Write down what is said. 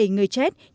bảy người chết